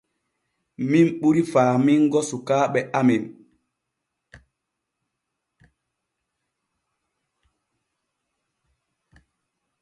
Min ɓuri faamingo sukaaɓe amen.